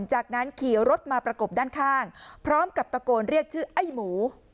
จากนั้นขี่รถมาประกบด้านข้างพร้อมกับตะโกนเรียกชื่อไอ้หมู